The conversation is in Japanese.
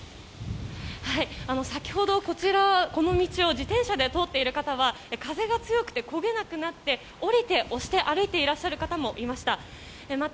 先ほど、この道を通っている方は風が強くて漕げなくなって降りて、押して歩いていらっしゃる方もいました。